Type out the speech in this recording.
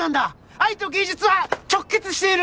愛と芸術は直結している。